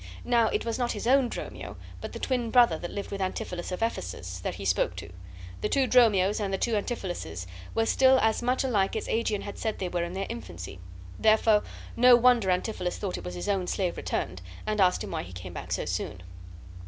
Now it was not his own Dromio, but the twin brother that lived with Antipholus of Ephesus, that he spoke to. The two Dromios and the two Antipholuses were still as much alike as Aegeon had said they were in their infancy; therefore no wonder Antipholus thought it was his own slave returned, and asked him why he came back so soon.